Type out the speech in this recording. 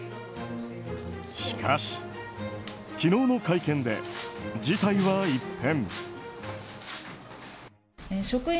しかし、昨日の会見で事態は一変。